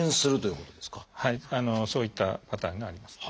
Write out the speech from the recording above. そういったパターンがあります。